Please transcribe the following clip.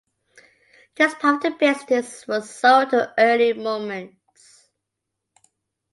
This part of the business was sold to Early Moments.